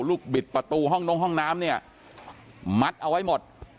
บิดประตูห้องนงห้องน้ำเนี่ยมัดเอาไว้หมด